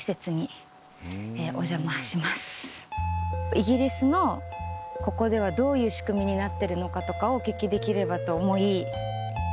イギリスのここではどういう仕組みになってるのかとかをお聞きできればと思い。